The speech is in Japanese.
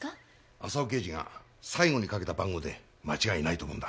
浅尾刑事が最後にかけた番号で間違いないと思うんだ。